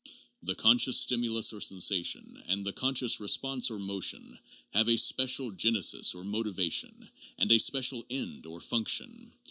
The conscious stim ulus or sensation, and the conscious response or motion, have a special genesis or motivation, and a special end or function.